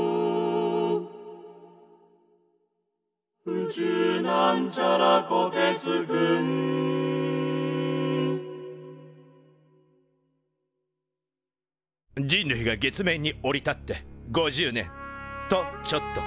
「宇宙」人類が月面に降り立って５０年。とちょっと！